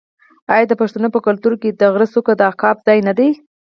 آیا د پښتنو په کلتور کې د غره څوکه د عقاب ځای نه دی؟